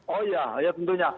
oh ya tentunya